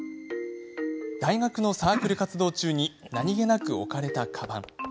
大学のサークル活動中に何気なく置かれた、かばん。